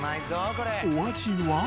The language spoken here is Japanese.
お味は？